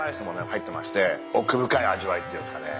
入ってまして奥深い味わいっていうんですかね。